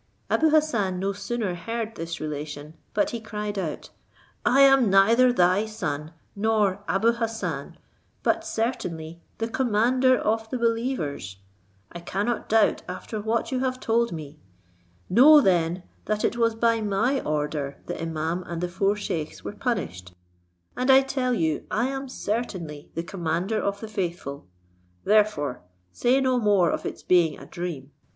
Abou Hassan no sooner heard this relation, but he cried out, "I am neither thy son, nor Abou Hassan, but certainly the commander of the believers. I cannot doubt after what you have told me. Know then that it was by my order the imaum and the four scheiks were punished, and I tell you I am certainly the commander of the faithful: therefore say no more of its being a dream.